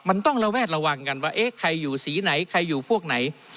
มันต้องระแวดระวังกันว่าเอ๊ะใครอยู่สีไหนใครอยู่พวกไหน